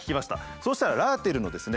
そうしたらラーテルのですね